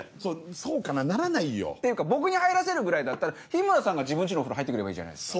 そうかな？ならないよ！っていうか僕に入らせるぐらいだったら日村さんが自分家のお風呂入って来ればいいじゃないですか。